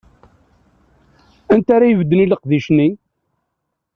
Anta ara ibedden i leqdic-nni?